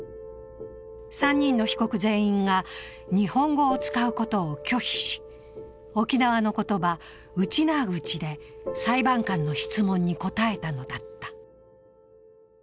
３人の被告全員が、日本語を使うことを拒否し、沖縄の言葉、ウチナーグチで裁判官の質問に答えたのだった。